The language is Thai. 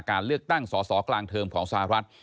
การเลือกตั้งสอสอกลางเทอมของสหรัฐ